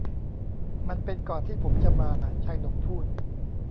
มันเป็นก่อนที่ผมจะมา ชายหนุ่มพูด